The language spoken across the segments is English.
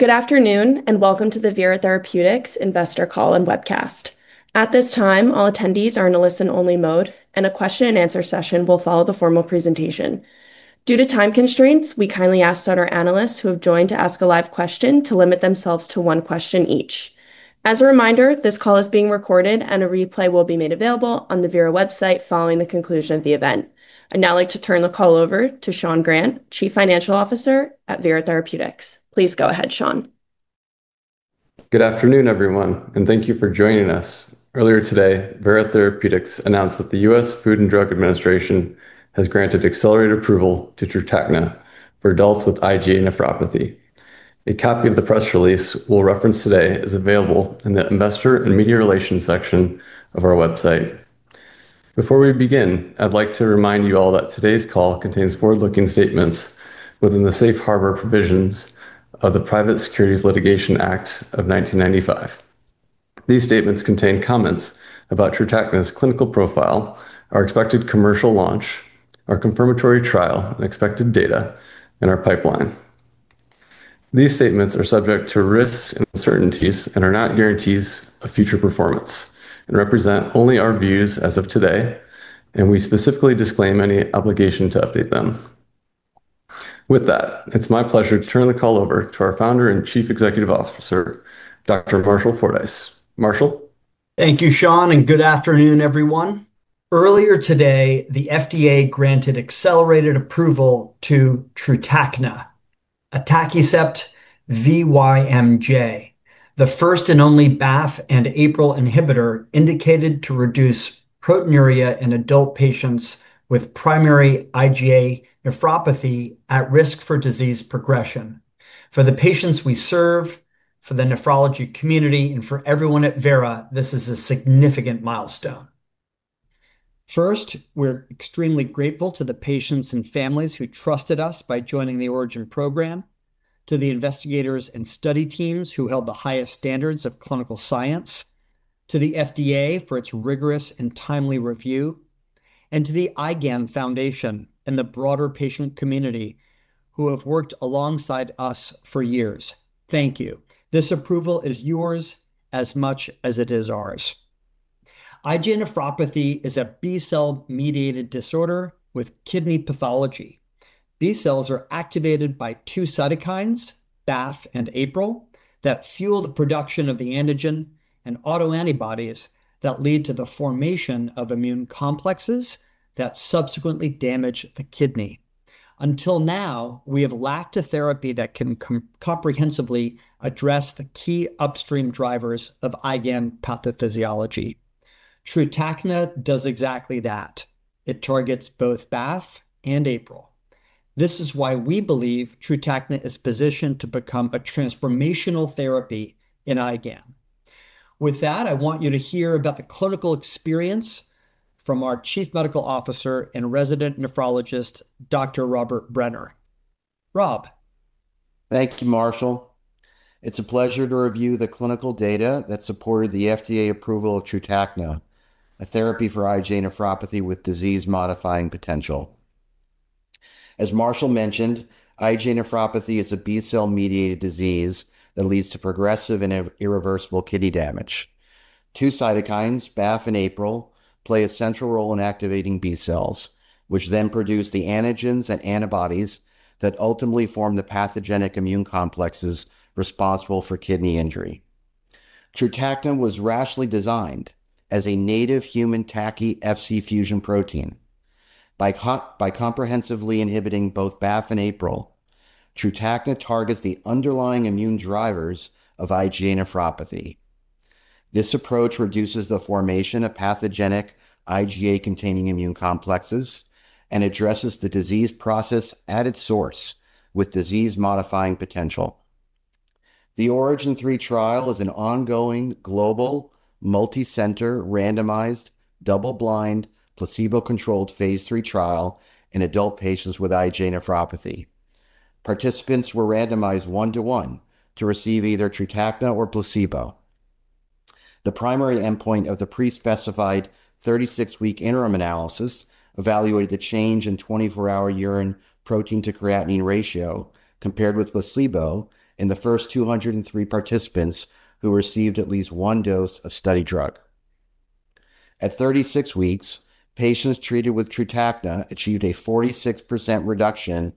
Good afternoon. Welcome to the Vera Therapeutics Investor Call and Webcast. At this time, all attendees are in a listen-only mode. A question and answer session will follow the formal presentation. Due to time constraints, we kindly ask that our analysts who have joined to ask a live question to limit themselves to one question each. As a reminder, this call is being recorded. A replay will be made available on the Vera website following the conclusion of the event. I'd now like to turn the call over to Sean Grant, Chief Financial Officer at Vera Therapeutics. Please go ahead, Sean. Good afternoon, everyone. Thank you for joining us. Earlier today, Vera Therapeutics announced that the U.S. Food and Drug Administration has granted accelerated approval to TRUTAKNA for adults with IgA nephropathy. A copy of the press release we'll reference today is available in the Investor and Media Relations section of our website. Before we begin, I'd like to remind you all that today's call contains forward-looking statements within the safe harbor provisions of the Private Securities Litigation Reform Act of 1995. These statements contain comments about TRUTAKNA's clinical profile, our expected commercial launch, our confirmatory trial, expected data in our pipeline. These statements are subject to risks and uncertainties and are not guarantees of future performance and represent only our views as of today. We specifically disclaim any obligation to update them. With that, it's my pleasure to turn the call over to our Founder and Chief Executive Officer, Dr. Marshall Fordyce. Marshall? Thank you, Sean. Good afternoon, everyone. Earlier today, the FDA granted accelerated approval to TRUTAKNA, atacicept-vymj, the first and only BAFF and APRIL inhibitor indicated to reduce proteinuria in adult patients with primary IgA nephropathy at risk for disease progression. For the patients we serve, for the nephrology community, for everyone at Vera, this is a significant milestone. First, we're extremely grateful to the patients and families who trusted us by joining the ORIGIN program, to the investigators and study teams who held the highest standards of clinical science, to the FDA for its rigorous and timely review, to the IgAN Foundation and the broader patient community who have worked alongside us for years. Thank you. This approval is yours as much as it is ours. IgA nephropathy is a B-cell-mediated disorder with kidney pathology. B cells are activated by two cytokines, BAFF and APRIL, that fuel the production of the antigen and autoantibodies that lead to the formation of immune complexes that subsequently damage the kidney. Until now, we have lacked a therapy that can comprehensively address the key upstream drivers of IgAN pathophysiology. TRUTAKNA does exactly that. It targets both BAFF and APRIL. This is why we believe TRUTAKNA is positioned to become a transformational therapy in IgAN. With that, I want you to hear about the clinical experience from our Chief Medical Officer and resident nephrologist, Dr. Robert Brenner. Rob? Thank you, Marshall. It's a pleasure to review the clinical data that supported the FDA approval of TRUTAKNA, a therapy for IgA nephropathy with disease-modifying potential. As Marshall mentioned, IgA nephropathy is a B-cell-mediated disease that leads to progressive and irreversible kidney damage. Two cytokines, BAFF and APRIL, play a central role in activating B cells, which then produce the antigens and antibodies that ultimately form the pathogenic immune complexes responsible for kidney injury. TRUTAKNA was rationally designed as a native human TACI-Fc fusion protein. By comprehensively inhibiting both BAFF and APRIL, TRUTAKNA targets the underlying immune drivers of IgA nephropathy. This approach reduces the formation of pathogenic IgA-containing immune complexes and addresses the disease process at its source with disease-modifying potential. The ORIGIN 3 trial is an ongoing global, multi-center, randomized, double-blind, placebo-controlled Phase III trial in adult patients with IgA nephropathy. Participants were randomized one to one to receive either TRUTAKNA or placebo. The primary endpoint of the pre-specified 36-week interim analysis evaluated the change in 24-hour urine protein-to-creatinine ratio compared with placebo in the first 203 participants who received at least one dose of study drug. At 36 weeks, patients treated with TRUTAKNA achieved a 46% reduction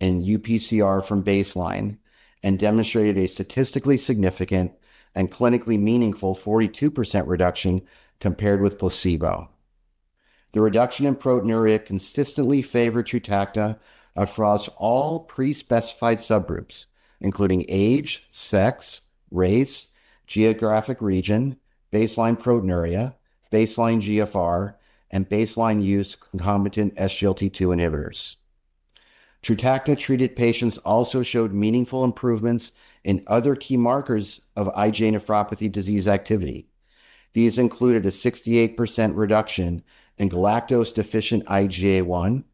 in UPCR from baseline and demonstrated a statistically significant and clinically meaningful 42% reduction compared with placebo. The reduction in proteinuria consistently favored TRUTAKNA across all pre-specified subgroups, including age, sex, race, geographic region, baseline proteinuria, baseline GFR, and baseline use concomitant SGLT2 inhibitors. TRUTAKNA-treated patients also showed meaningful improvements in other key markers of IgA nephropathy disease activity. These included a 68% reduction in galactose-deficient IgA1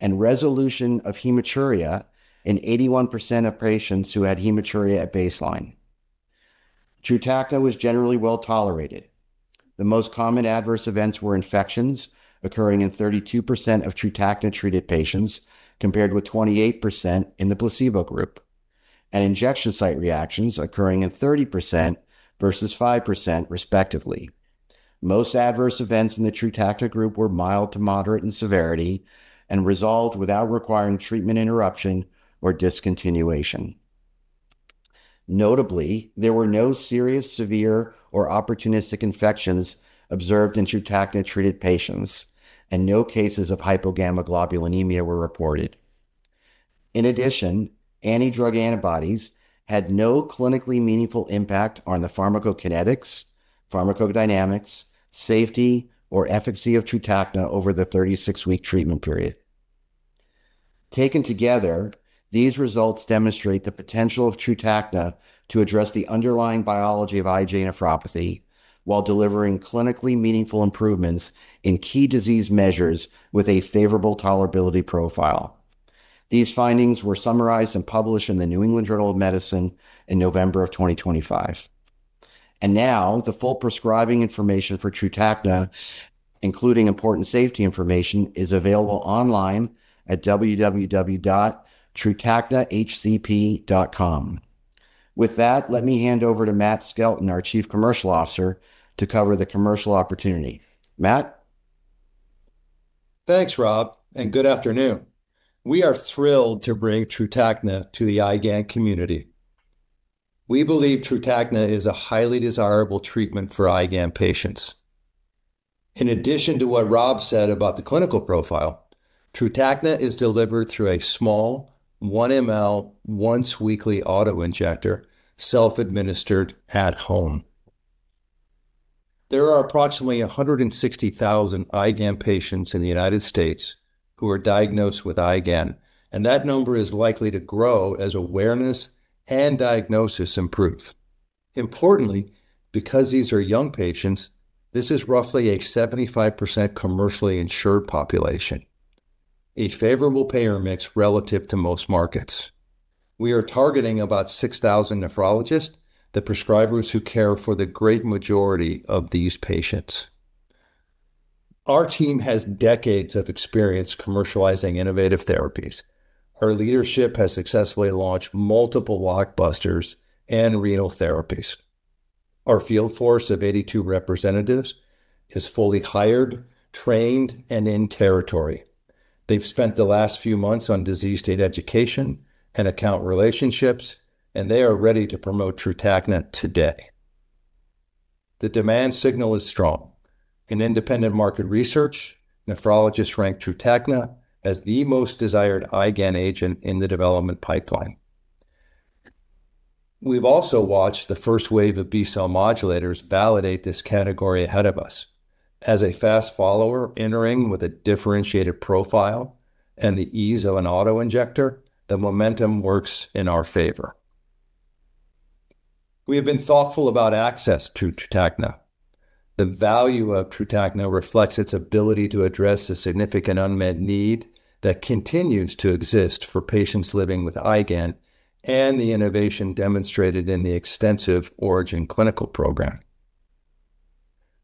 and resolution of hematuria in 81% of patients who had hematuria at baseline. TRUTAKNA was generally well-tolerated. The most common adverse events were infections occurring in 32% of TRUTAKNA-treated patients, compared with 28% in the placebo group, and injection site reactions occurring in 30% versus 5%, respectively. Most adverse events in the TRUTAKNA group were mild to moderate in severity and resolved without requiring treatment interruption or discontinuation. Notably, there were no serious, severe, or opportunistic infections observed in TRUTAKNA-treated patients, and no cases of hypogammaglobulinemia were reported. In addition, anti-drug antibodies had no clinically meaningful impact on the pharmacokinetics, pharmacodynamics, safety, or efficacy of TRUTAKNA over the 36-week treatment period. Taken together, these results demonstrate the potential of TRUTAKNA to address the underlying biology of IgA nephropathy while delivering clinically meaningful improvements in key disease measures with a favorable tolerability profile. These findings were summarized and published in The New England Journal of Medicine in November of 2025. Now the full prescribing information for TRUTAKNA, including important safety information, is available online at trutaknahcp.com. With that, let me hand over to Matt Skelton, our Chief Commercial Officer, to cover the commercial opportunity. Matt? Thanks, Rob, and good afternoon. We are thrilled to bring TRUTAKNA to the IgAN community. We believe TRUTAKNA is a highly desirable treatment for IgAN patients. In addition to what Rob said about the clinical profile, TRUTAKNA is delivered through a small 1 ml once-weekly auto-injector, self-administered at home. There are approximately 160,000 IgAN patients in the U.S. who are diagnosed with IgAN, and that number is likely to grow as awareness and diagnosis improve. Importantly, because these are young patients, this is roughly a 75% commercially insured population, a favorable payer mix relative to most markets. We are targeting about 6,000 nephrologists, the prescribers who care for the great majority of these patients. Our team has decades of experience commercializing innovative therapies. Our leadership has successfully launched multiple blockbusters and renal therapies. Our field force of 82 representatives is fully hired, trained, and in territory. They've spent the last few months on disease state education and account relationships. They are ready to promote TRUTAKNA today. The demand signal is strong. In independent market research, nephrologists ranked TRUTAKNA as the most desired IgAN agent in the development pipeline. We've also watched the first wave of B-cell modulators validate this category ahead of us. As a fast follower entering with a differentiated profile and the ease of an auto-injector, the momentum works in our favor. We have been thoughtful about access to TRUTAKNA. The value of TRUTAKNA reflects its ability to address the significant unmet need that continues to exist for patients living with IgAN and the innovation demonstrated in the extensive ORIGIN clinical program.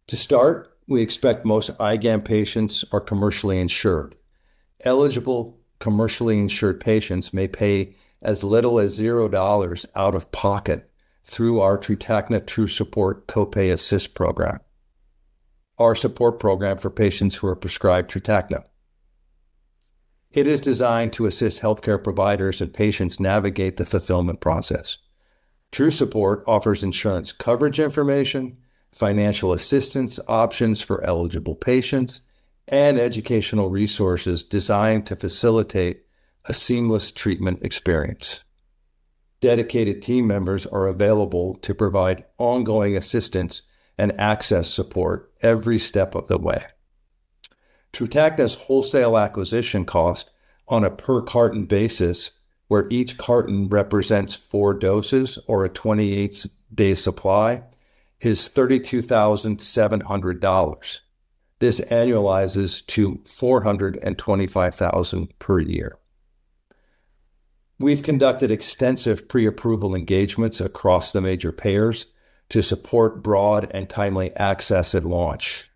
To start, we expect most IgAN patients are commercially insured. Eligible commercially insured patients may pay as little as zero dollars out of pocket through our TRUTAKNA TRU SUPPORT copay assist program, our support program for patients who are prescribed TRUTAKNA. It is designed to assist healthcare providers and patients navigate the fulfillment process. TRU SUPPORT offers insurance coverage information, financial assistance options for eligible patients, and educational resources designed to facilitate a seamless treatment experience. Dedicated team members are available to provide ongoing assistance and access support every step of the way. TRUTAKNA's wholesale acquisition cost on a per carton basis, where each carton represents four doses or a 28-day supply, is $32,700. This annualizes to $425,000 per year. We've conducted extensive pre-approval engagements across the major payers to support broad and timely access at launch.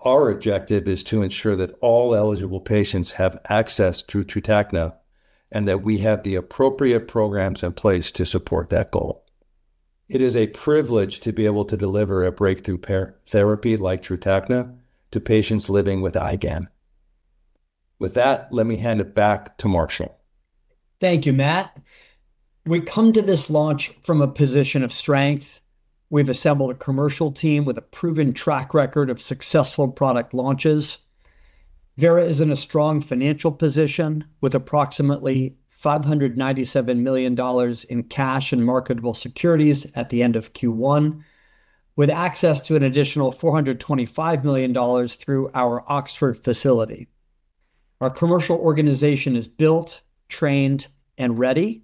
Our objective is to ensure that all eligible patients have access to TRUTAKNA and that we have the appropriate programs in place to support that goal. It is a privilege to be able to deliver a breakthrough therapy like TRUTAKNA to patients living with IgAN. With that, let me hand it back to Marshall. Thank you, Matt. We come to this launch from a position of strength. We've assembled a commercial team with a proven track record of successful product launches. Vera is in a strong financial position with approximately $597 million in cash and marketable securities at the end of Q1, with access to an additional $425 million through our Oxford facility. Our commercial organization is built, trained, and ready.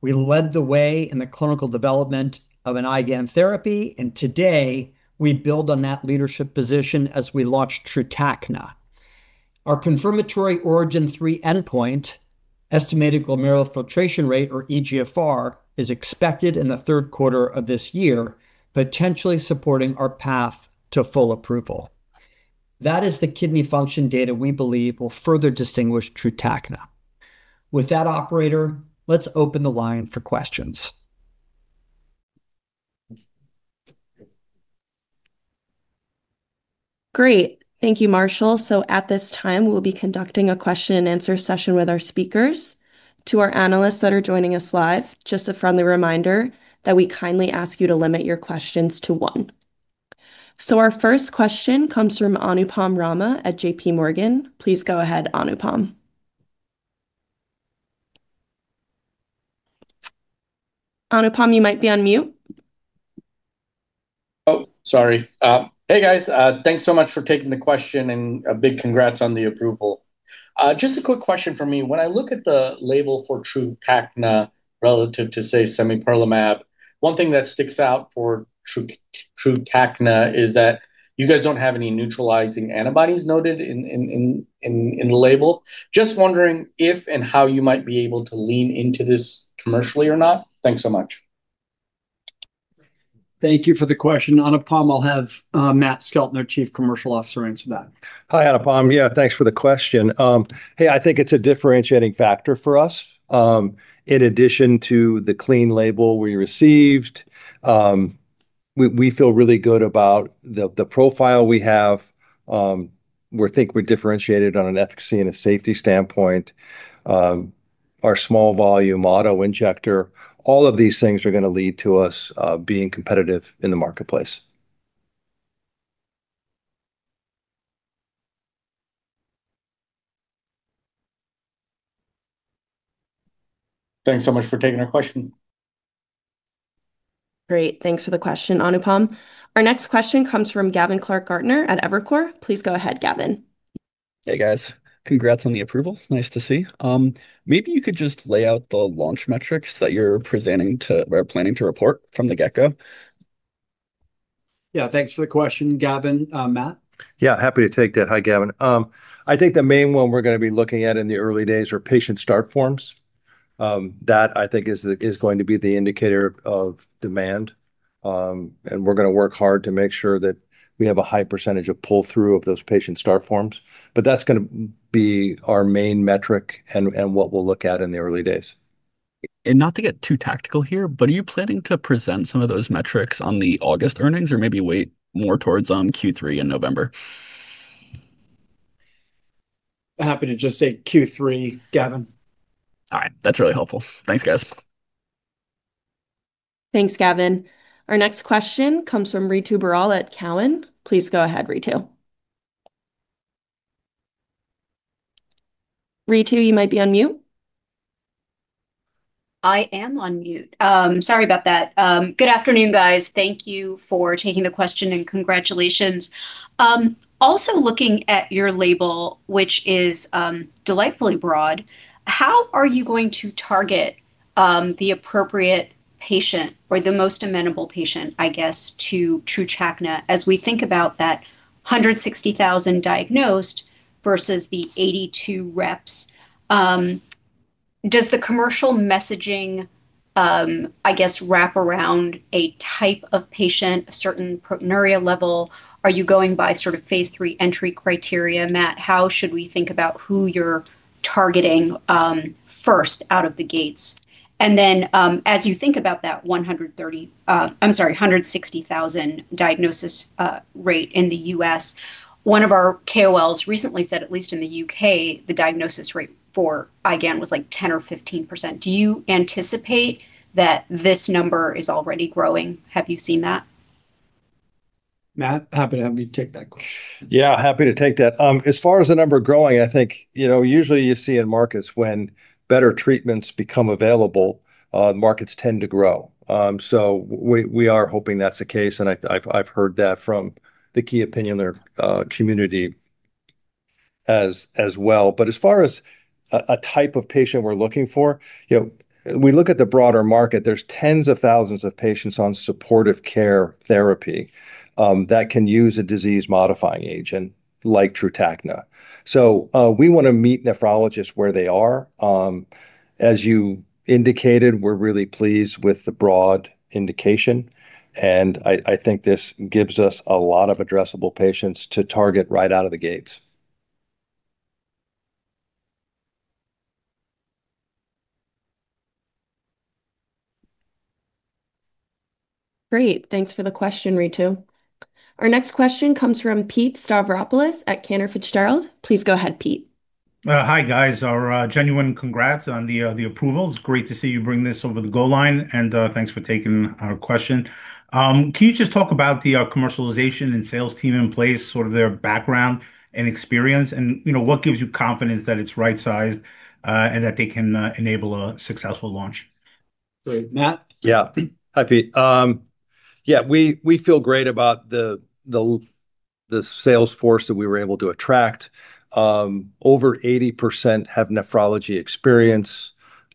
We led the way in the clinical development of an IgAN therapy, and today, we build on that leadership position as we launch TRUTAKNA. Our confirmatory ORIGIN 3 endpoint Estimated glomerular filtration rate, or eGFR, is expected in the third quarter of this year, potentially supporting our path to full approval. That is the kidney function data we believe will further distinguish TRUTAKNA. With that, operator, let's open the line for questions. Great. Thank you, Marshall. At this time, we'll be conducting a question and answer session with our speakers. To our analysts that are joining us live, just a friendly reminder that we kindly ask you to limit your questions to one. Our first question comes from Anupam Rama at JPMorgan. Please go ahead, Anupam. Anupam, you might be on mute. Oh, sorry. Hey, guys. Thanks so much for taking the question, and a big congrats on the approval. Just a quick question from me. When I look at the label for TRUTAKNA relative to, say, semaglutide, one thing that sticks out for TRUTAKNA is that you guys don't have any neutralizing antibodies noted in the label. Just wondering if and how you might be able to lean into this commercially or not. Thanks so much. Thank you for the question, Anupam. I'll have Matt Skelton, Chief Commercial Officer, answer that. Hi, Anupam. Yeah, thanks for the question. Hey, I think it's a differentiating factor for us. In addition to the clean label we received, we feel really good about the profile we have. We think we're differentiated on an efficacy and a safety standpoint. Our small volume auto-injector, all of these things are going to lead to us being competitive in the marketplace. Thanks so much for taking our question. Great. Thanks for the question, Anupam. Our next question comes from Gavin Clark-Gartner at Evercore. Please go ahead, Gavin. Hey, guys. Congrats on the approval. Nice to see. Maybe you could just lay out the launch metrics that you're presenting to or planning to report from the get-go. Yeah, thanks for the question, Gavin. Matt? Yeah, happy to take that. Hi, Gavin. I think the main one we're going to be looking at in the early days are patient start forms. That I think is going to be the indicator of demand. We're going to work hard to make sure that we have a high percentage of pull-through of those patient start forms. That's going to be our main metric and what we'll look at in the early days. Not to get too tactical here, are you planning to present some of those metrics on the August earnings, or maybe wait more towards Q3 in November? Happy to just say Q3, Gavin. All right. That's really helpful. Thanks, guys. Thanks, Gavin. Our next question comes from Ritu Baral at Cowen. Please go ahead, Ritu. Ritu, you might be on mute. I am on mute. Sorry about that. Good afternoon, guys. Thank you for taking the question, and congratulations. Also looking at your label, which is delightfully broad, how are you going to target the appropriate patient or the most amenable patient, I guess, to TRUTAKNA, as we think about that 160,000 diagnosed versus the 82 reps. Does the commercial messaging, I guess, wrap around a type of patient, a certain proteinuria level? Are you going by phase III entry criteria, Matt? How should we think about who you're targeting first out of the gates? As you think about that 160,000 diagnosis rate in the U.S., one of our KOLs recently said, at least in the U.K., the diagnosis rate for IgAN was like 10% or 15%. Do you anticipate that this number is already growing? Have you seen that? Matt, happy to have you take that question. Yeah, happy to take that. As far as the number growing, I think, usually you see in markets when better treatments become available, markets tend to grow. We are hoping that's the case, and I've heard that from the key opinion community as well. As far as a type of patient we're looking for, we look at the broader market, there's tens of thousands of patients on supportive care therapy that can use a disease-modifying agent like TRUTAKNA. We want to meet nephrologists where they are. As you indicated, we're really pleased with the broad indication, and I think this gives us a lot of addressable patients to target right out of the gates. Great. Thanks for the question, Ritu. Our next question comes from Pete Stavropoulos at Cantor Fitzgerald. Please go ahead, Pete. Hi, guys. Our genuine congrats on the approval. It's great to see you bring this over the goal line. Thanks for taking our question. Can you just talk about the commercialization and sales team in place, their background and experience, and what gives you confidence that it's right-sized, and that they can enable a successful launch? Great, Matt? Hi, Pete. We feel great about the sales force that we were able to attract. Over 80% have nephrology experience,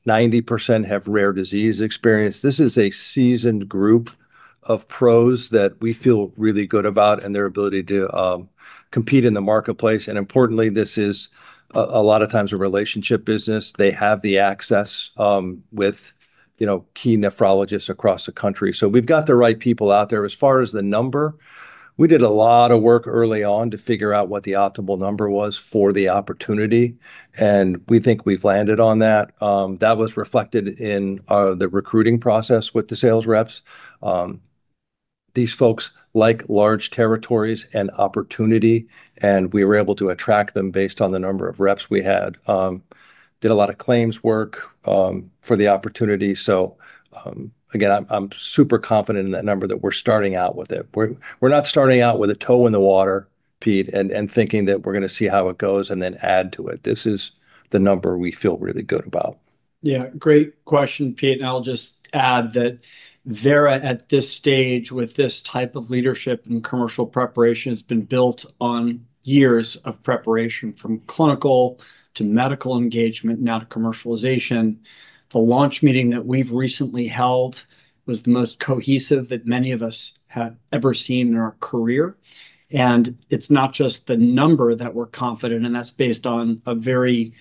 90% have rare disease experience. This is a seasoned group of pros that we feel really good about and their ability to compete in the marketplace. Importantly, this is a lot of times a relationship business. They have the access with key nephrologists across the country. We've got the right people out there. As far as the number, we did a lot of work early on to figure out what the optimal number was for the opportunity, and we think we've landed on that. That was reflected in the recruiting process with the sales reps. These folks like large territories and opportunity, and we were able to attract them based on the number of reps we had. Did a lot of claims work for the opportunity. Again, I'm super confident in that number that we're starting out with it. We're not starting out with a toe in the water, Pete, and thinking that we're going to see how it goes and then add to it. This is the number we feel really good about. Great question, Pete, and I'll just add that Vera, at this stage, with this type of leadership and commercial preparation, has been built on years of preparation, from clinical to medical engagement, now to commercialization. The launch meeting that we've recently held was the most cohesive that many of us have ever seen in our career. It's not just the number that we're confident, and that's based on a very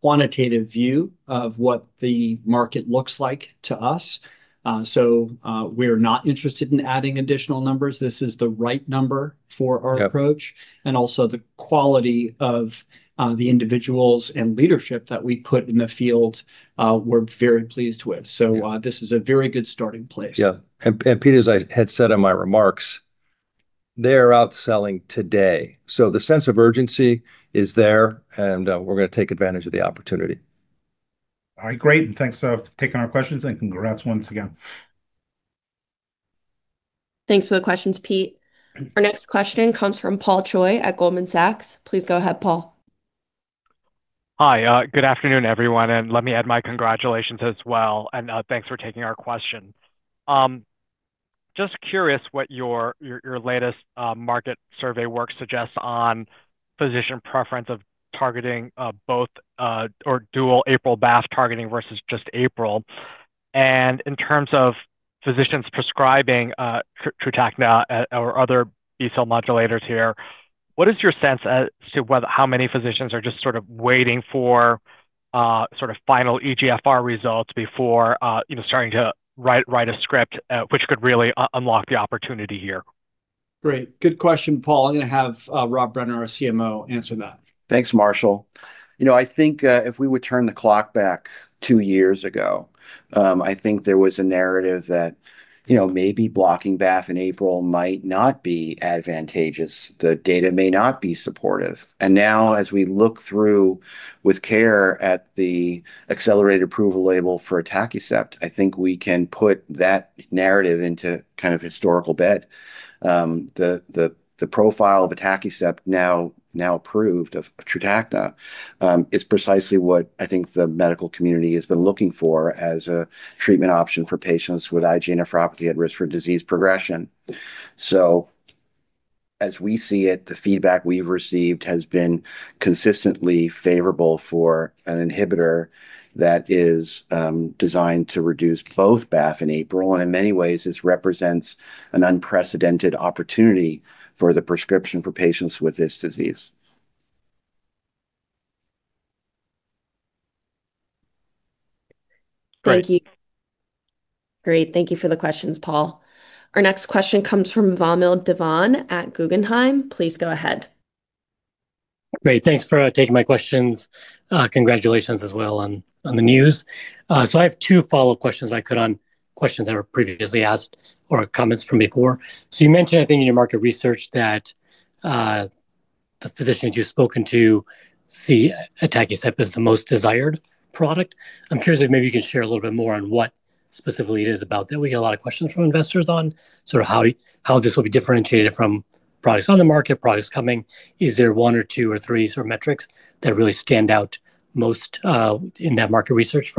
quantitative view of what the market looks like to us. We're not interested in adding additional numbers. This is the right number for our approach. Yeah. Also the quality of the individuals and leadership that we put in the field we're very pleased with. Yeah. This is a very good starting place. Yeah. Pete, as I had said in my remarks, they're out selling today, the sense of urgency is there, we're going to take advantage of the opportunity. All right. Great. Thanks for taking our questions, congrats once again. Thanks for the questions, Pete. Our next question comes from Paul Choi at Goldman Sachs. Please go ahead, Paul. Hi. Good afternoon, everyone. Let me add my congratulations as well, and thanks for taking our question. Just curious what your latest market survey work suggests on physician preference of targeting both or dual APRIL-BAFF targeting versus just APRIL. In terms of physicians prescribing TRUTAKNA or other B-cell modulators here, what is your sense as to how many physicians are just sort of waiting for final eGFR results before starting to write a script which could really unlock the opportunity here? Great. Good question, Paul. I'm going to have Rob Brenner, our CMO, answer that. Thanks, Marshall. I think if we were to turn the clock back two years ago, I think there was a narrative that maybe blocking BAFF and APRIL might not be advantageous, the data may not be supportive. Now, as we look through with care at the accelerated approval label for atacicept, I think we can put that narrative into kind of historical bed. The profile of atacicept, now approved of TRUTAKNA, is precisely what I think the medical community has been looking for as a treatment option for patients with IgA nephropathy at risk for disease progression. As we see it, the feedback we've received has been consistently favorable for an inhibitor that is designed to reduce both BAFF and APRIL, and in many ways, this represents an unprecedented opportunity for the prescription for patients with this disease. Great. Thank you. Great. Thank you for the questions, Paul Choi. Our next question comes from Vamil Divan at Guggenheim. Please go ahead. Great. Thanks for taking my questions. Congratulations as well on the news. I have two follow-up questions I could on questions that were previously asked, or comments from before. You mentioned, I think, in your market research that the physicians you've spoken to see atacicept as the most desired product. I'm curious if maybe you can share a little bit more on what specifically it is about that we get a lot of questions from investors on how this will be differentiated from products on the market, products coming. Is there one or two or three sort of metrics that really stand out most in that market research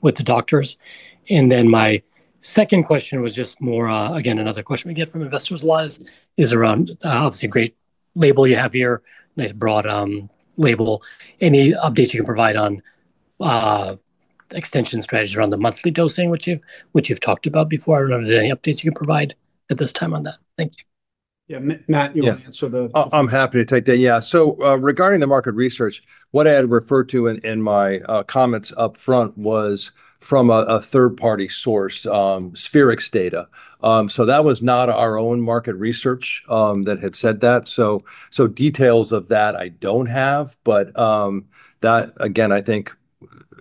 with the doctors? My second question was just more, again, another question we get from investors a lot is around, obviously, a great label you have here, nice broad label. Any updates you can provide on extension strategies around the monthly dosing, which you've talked about before? I don't know if there's any updates you can provide at this time on that. Thank you. Matt, you want to answer. I'm happy to take that. Regarding the market research, what I had referred to in my comments up front was from a third-party source, Spherix data. That was not our own market research that had said that. Details of that I don't have, but that, again, I think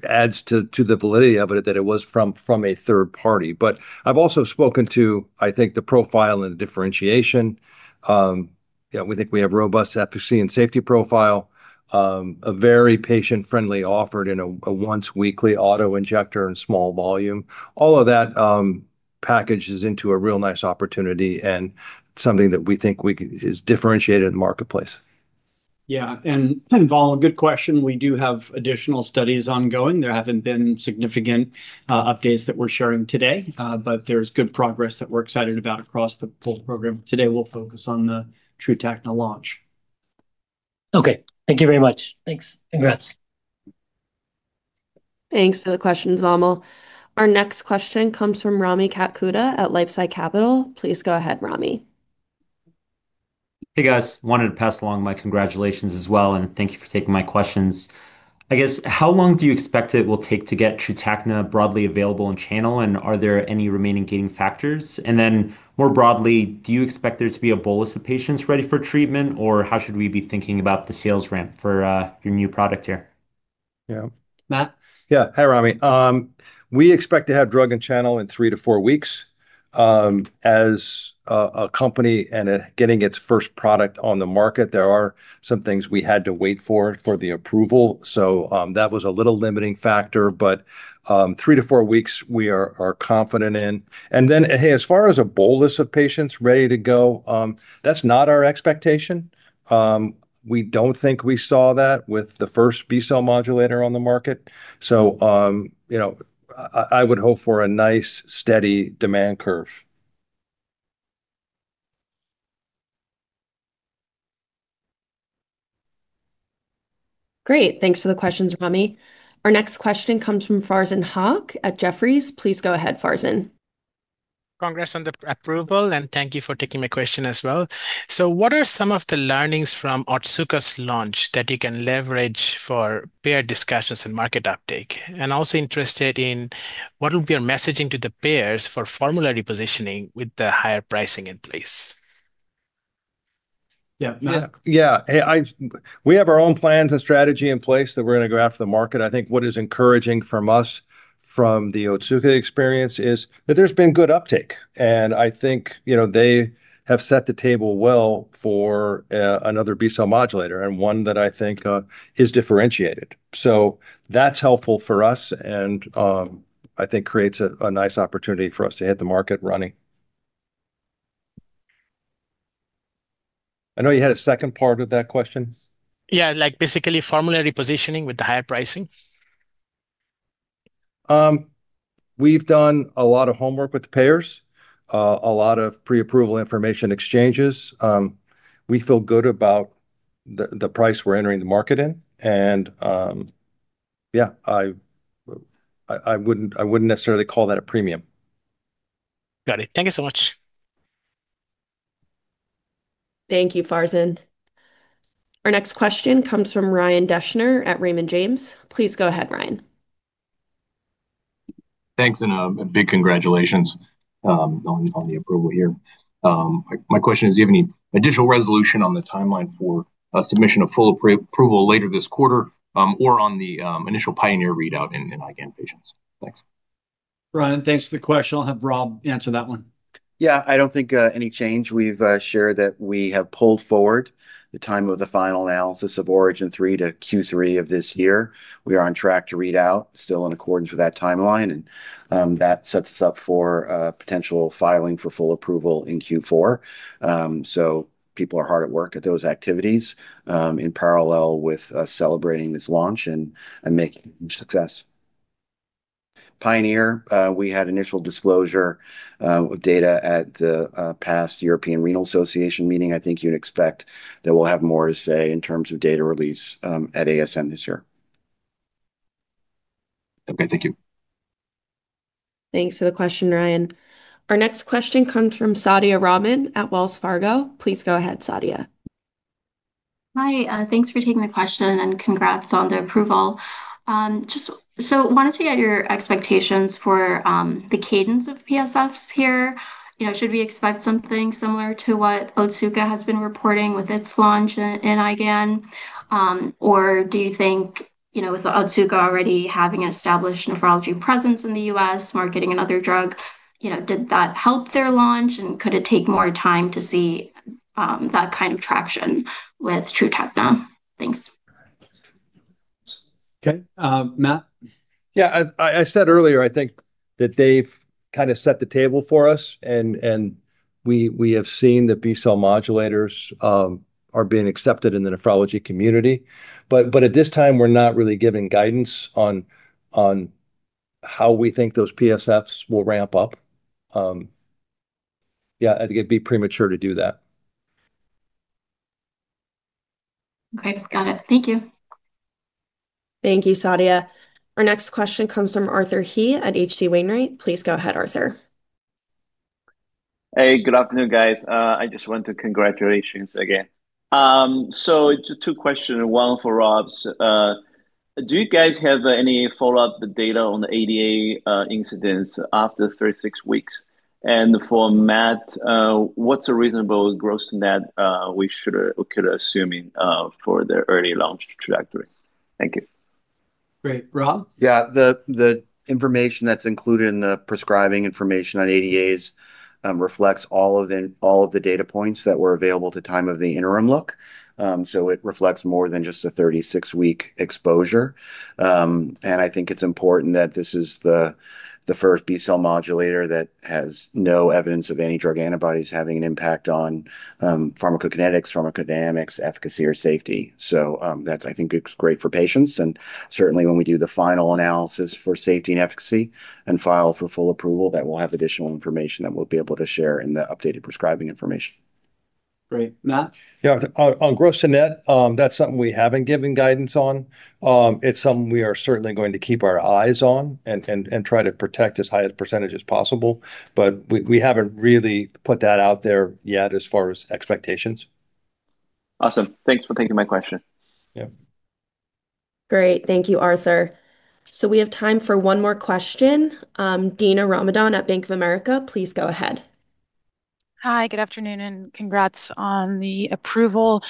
adds to the validity of it, that it was from a third party. I've also spoken to, I think, the profile and the differentiation. We think we have robust efficacy and safety profile, a very patient-friendly offered in a once-weekly auto-injector and small volume. All of that packages into a real nice opportunity and something that we think is differentiated in the marketplace. Vamil, good question. We do have additional studies ongoing. There haven't been significant updates that we're sharing today. There's good progress that we're excited about across the full program. Today, we'll focus on the TRUTAKNA launch. Thank you very much. Thanks. Congrats. Thanks for the questions, Vamil. Our next question comes from Rami Katkhuda at LifeSci Capital. Please go ahead, Rami. Hey, guys. Wanted to pass along my congratulations as well. Thank you for taking my questions. I guess, how long do you expect it will take to get TRUTAKNA broadly available in channel? Are there any remaining gating factors? More broadly, do you expect there to be a bolus of patients ready for treatment, or how should we be thinking about the sales ramp for your new product here? Yeah. Matt? Yeah. Hi, Rami. We expect to have drug in channel in three to four weeks. As a company and getting its first product on the market, there are some things we had to wait for the approval. That was a little limiting factor but three to four weeks we are confident in. Hey, as far as a bolus of patients ready to go, that's not our expectation. We don't think we saw that with the first B-cell modulator on the market. I would hope for a nice, steady demand curve. Great. Thanks for the questions, Rami. Our next question comes from Farzin Haque at Jefferies. Please go ahead, Farzin. Congrats on the approval, and thank you for taking my question as well. What are some of the learnings from Otsuka's launch that you can leverage for payer discussions and market uptake? Also interested in what will be your messaging to the payers for formulary positioning with the higher pricing in place? Yeah, Matt? Yeah. We have our own plans and strategy in place that we're going to go after the market. I think what is encouraging from us from the Otsuka experience is that there's been good uptake, and I think, they have set the table well for another B-cell modulator, and one that I think is differentiated. That's helpful for us and I think creates a nice opportunity for us to hit the market running. I know you had a second part of that question. Yeah, basically formulary positioning with the higher pricing. We've done a lot of homework with the payers, a lot of pre-approval information exchanges. We feel good about the price we're entering the market in, and, yeah, I wouldn't necessarily call that a premium. Got it. Thank you so much. Thank you, Farzin. Our next question comes from Ryan Deschner at Raymond James. Please go ahead, Ryan. Thanks. A big congratulations on the approval here. My question is, do you have any additional resolution on the timeline for submission of full approval later this quarter, or on the initial PIONEER readout in IgAN patients? Thanks. Ryan, thanks for the question. I'll have Rob answer that one. Yeah, I don't think any change. We've shared that we have pulled forward the time of the final analysis of ORIGIN3 to Q3 of this year. We are on track to read out, still in accordance with that timeline, and that sets us up for potential filing for full approval in Q4. People are hard at work at those activities, in parallel with us celebrating this launch and making success. PIONEER, we had initial disclosure of data at the past European Renal Association meeting. I think you'd expect that we'll have more to say in terms of data release at ASN this year. Okay, thank you. Thanks for the question, Ryan. Our next question comes from Sadia Rahman at Wells Fargo. Please go ahead, Sadia. Hi. Thanks for taking the question, and congrats on the approval. I wanted to get your expectations for the cadence of PSFs here. Should we expect something similar to what Otsuka has been reporting with its launch in IgAN? Do you think, with Otsuka already having an established nephrology presence in the U.S., marketing another drug, did that help their launch and could it take more time to see that kind of traction with TRUTAKNA? Thanks. Okay. Matt? I said earlier, I think that they've set the table for us, and we have seen that B-cell modulators are being accepted in the nephrology community, but at this time, we're not really giving guidance on how we think those PSFs will ramp up. I think it'd be premature to do that. Okay. Got it. Thank you. Thank you, Sadia. Our next question comes from Arthur He at H.C. Wainwright. Please go ahead, Arthur. Hey, good afternoon, guys. I just want to congratulations again. Two question, one for Rob's. Do you guys have any follow-up data on the ADA incidents after 36 weeks? For Matt, what's a reasonable gross net we could assuming for the early launch trajectory? Thank you. Great. Rob? Yeah. The information that's included in the prescribing information on ADAs reflects all of the data points that were available at the time of the interim look. It reflects more than just a 36-week exposure. I think it's important that this is the first B-cell modulator that has no evidence of any drug antibodies having an impact on pharmacokinetics, pharmacodynamics, efficacy, or safety. That I think is great for patients, and certainly when we do the final analysis for safety and efficacy and file for full approval, that will have additional information that we'll be able to share in the updated prescribing information. Great. Matt? Yeah. On gross to net, that's something we haven't given guidance on. It's something we are certainly going to keep our eyes on and try to protect as high a percentage as possible. We haven't really put that out there yet as far as expectations. Awesome. Thanks for taking my question. Yeah. Great. Thank you, Arthur. We have time for one more question. Dina Ramadane at Bank of America, please go ahead. Hi, good afternoon, and congrats on the approval.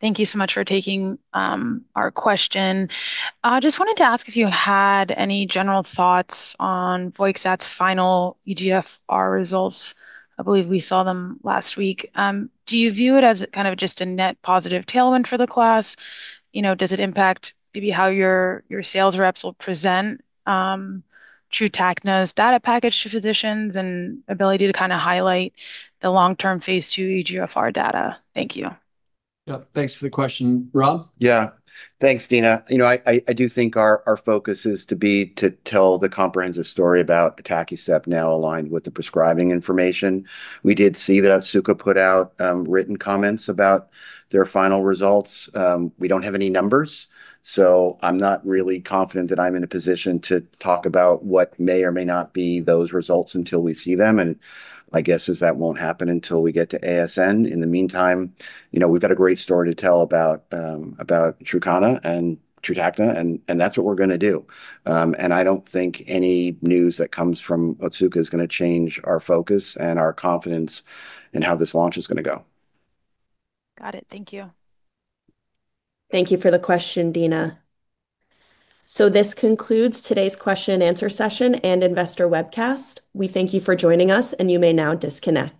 Thank you so much for taking our question. I just wanted to ask if you had any general thoughts on Voyxact's final eGFR results. I believe we saw them last week. Do you view it as kind of just a net positive tailwind for the class? Does it impact maybe how your sales reps will present TRUTAKNA's data package to physicians and ability to kind of highlight the long-term Phase II eGFR data? Thank you. Thanks for the question. Rob? Thanks, Dina. I do think our focus is to tell the comprehensive story about atacicept now aligned with the prescribing information. We did see that Otsuka put out written comments about their final results. We don't have any numbers, so I'm not really confident that I'm in a position to talk about what may or may not be those results until we see them, my guess is that won't happen until we get to ASN. In the meantime, we've got a great story to tell about TRUTAKNA, that's what we're going to do. I don't think any news that comes from Otsuka is going to change our focus and our confidence in how this launch is going to go. Got it. Thank you. Thank you for the question, Dina. This concludes today's question and answer session and investor webcast. We thank you for joining us, and you may now disconnect